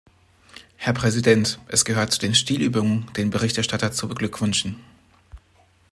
Herr Präsident, es gehört zu den Stilübungen, den Berichterstatter zu beglückwünschen.